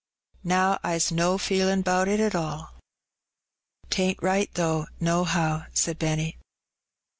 Now I's no feelin' 'bout it at all." " 'T ain't right, though, nohow," said Benny.